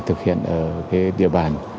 thực hiện ở cái địa bàn